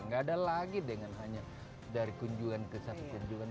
nggak ada lagi dengan hanya dari kunjungan ke satu kunjungan